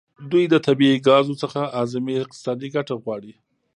دوی د طبیعي ګازو څخه اعظمي اقتصادي ګټه غواړي